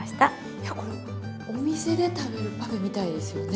いやこれお店で食べるパフェみたいですよね。